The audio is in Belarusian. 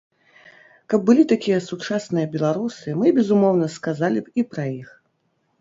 Каб былі такія сучасныя беларусы, мы, безумоўна, сказалі б і пра іх.